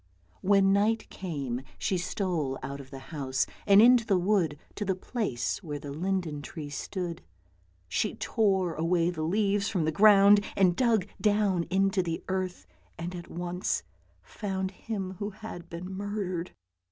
When night came she stole out of the house, and into the wood, to the place where the linden tree stood. She tore away the leaves from the ground and dug down into the earth, and at once found him who had been murdered.